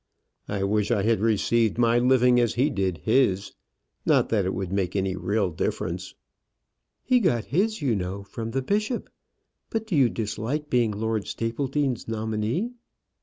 "I wish I had received my living as he did his; not that it would make any real difference." "He got his, you know, from the bishop. But do you dislike being Lord Stapledean's nominee?"